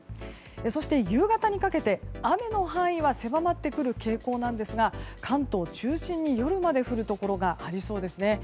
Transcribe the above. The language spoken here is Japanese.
そして、夕方にかけて雨の範囲は狭まってくる傾向なんですが関東を中心に夜まで降るところがありそうですね。